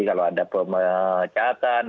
kalau ada pemecatan